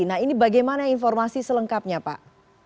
nah ini bagaimana informasi selengkapnya pak